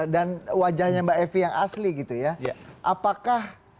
dan wajahnya mbak evi yang asli gitu ya